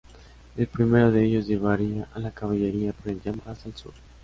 El primero de ellos llevaría a la caballería por el llano hasta el sur.